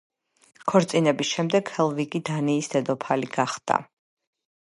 ქორწინების შემდეგ ჰელვიგი დანიის დედოფალი გახდა.